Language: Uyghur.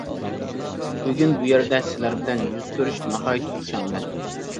بۈگۈن بۇ يەردە سىلەر بىلەن يۈز كۆرۈشۈپ ناھايىتى خۇشالمەن.